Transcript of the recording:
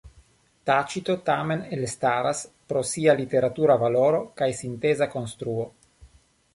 Tacito tamen elstaras pro sia literatura valoro kaj sinteza konstruo.